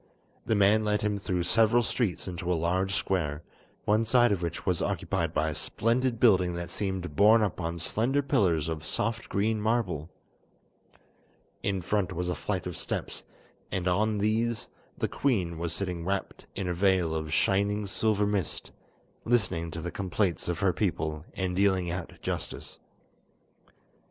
The man led him through several streets into a large square, one side of which was occupied by a splendid building that seemed borne up on slender pillars of soft green marble. In front was a flight of steps, and on these the queen was sitting wrapped in a veil of shining silver mist, listening to the complaints of her people and dealing out justice.